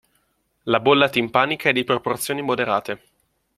La bolla timpanica è di proporzioni moderate.